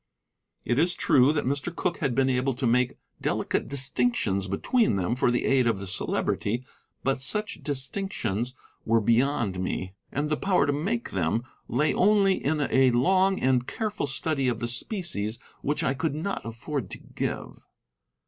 It is true that Mr. Cooke had been able to make delicate distinctions between them for the aid of the Celebrity, but such distinctions were beyond me, and the power to make them lay only in a long and careful study of the species which I could not afford to give.